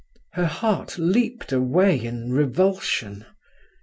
Her heart leaped away in revulsion.